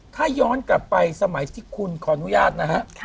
ถ้าย้อนกลับไปสมัยที่คุณขออนุญาตนะฮะ